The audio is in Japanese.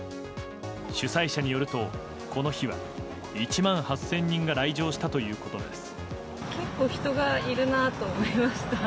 主催者によると、この日は１万８０００人が来場したということです。